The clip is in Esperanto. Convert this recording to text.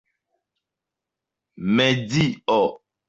medio